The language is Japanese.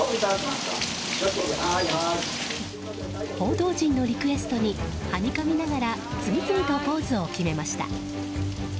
報道陣のリクエストにはにかみながら次々とポーズを決めました。